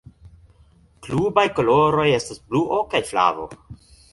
Klubaj koloroj estas bluo kaj flavo.